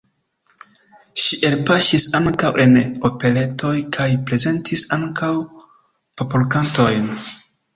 Ŝi elpaŝis ankaŭ en operetoj kaj prezentis ankaŭ popolkantojn.